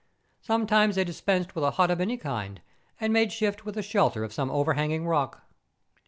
Sometimes they dispensed with a hut of any kind, and made shift with the shelter of some overhanging rock.